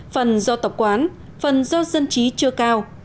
phần do tập quán phần do dân trí chưa cao